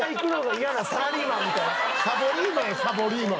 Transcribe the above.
サボリーマンやサボリーマン。